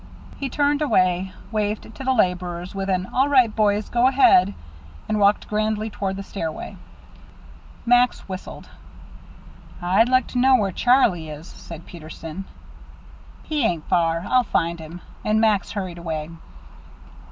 He turned away, waved to the laborers, with an, "All right, boys; go ahead," and walked grandly toward the stairway. Max whistled. "I'd like to know where Charlie is," said Peterson. "He ain't far. I'll find him;" and Max hurried away.